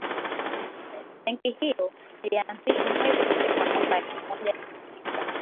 benki hiyo ilianzishwa mwezi desemba mwaka elfu moja mia tisa